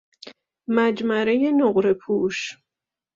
مجمره نقره پوش